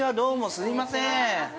すいません。